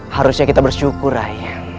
harusnya kita bersyukur rai